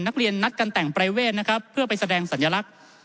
นักเรียนนัดกันแต่งปรายเวทนะครับเพื่อไปแสดงสัญลักษณ์